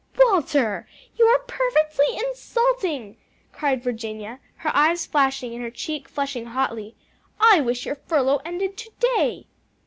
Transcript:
"Walter, you are perfectly insulting," cried Virginia, her eyes flashing and her cheek flushing hotly. "I wish your furlough ended to day."